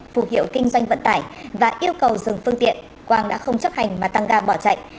phù hiệu kinh doanh vận tải và yêu cầu dừng phương tiện quang đã không chấp hành mà tăng ga bỏ chạy